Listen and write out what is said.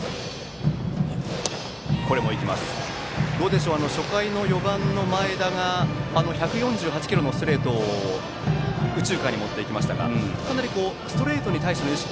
どうでしょう初回の４番の前田が１４８キロのストレートを右中間に持っていきましたがかなりストレートに対しての意識